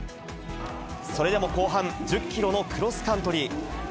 それでも後半、１０キロのクロスカントリー。